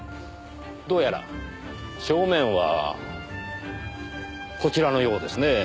どうやら正面はこちらのようですねぇ。